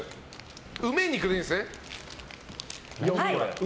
梅肉でいいんですね。